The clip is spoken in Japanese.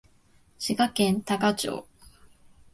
滋賀県多賀町